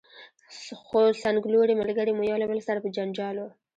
خو څنګلوري ملګري مو یو له بل سره په جنجال وو.